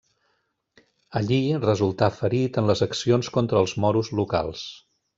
Allí resultà ferit en les accions contra els moros locals.